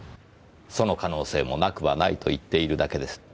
その可能性もなくはないと言っているだけです。